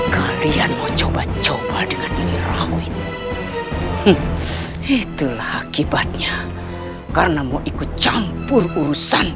kalian mau coba coba dengan ini rawit itulah akibatnya karena mau ikut campur urusan